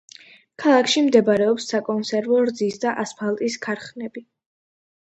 ქალაქში მდებარეობს საკონსერვო, რძის და ასფალტის ქარხნები.